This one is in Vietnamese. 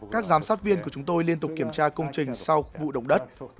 các giám sát viên của chúng tôi liên tục kiểm tra công trình sau vụ động đất